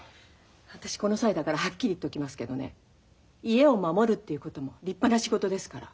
私この際だからはっきり言っときますけどね家を守るっていうことも立派な仕事ですから。